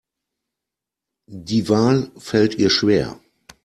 Die Wahl fällt ihr schwer.